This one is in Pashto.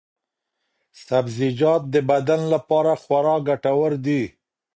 سبزیجات د بدن لپاره خورا ګټور دي.